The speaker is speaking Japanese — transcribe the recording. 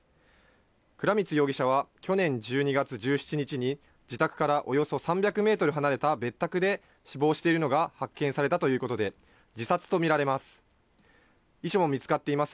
倉光容疑者は去年１２月１７日に、自宅からおよそ３００メートル離れた別宅で死亡しているのが発見されたということで、自殺と見られます。